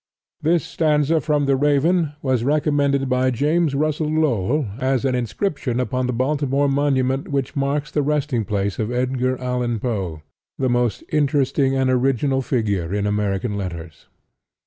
This stanza from "The Raven" was recommended by James Russell Lowell as an inscription upon the Baltimore monument which marks the resting place of Edgar Allan Poe, the most interesting and original figure in American letters.